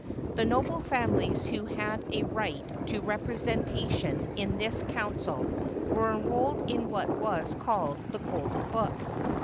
The noble families who had a right to representation in this council were enrolled in what was called the Golden Book.